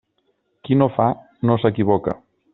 Qui no fa, no s'equivoca.